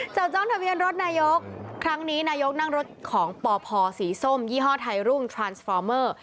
จ้องทะเบียนรถนายกครั้งนี้นายกนั่งรถของปพสีส้มยี่ห้อไทยรุ่งทรานสฟอร์เมอร์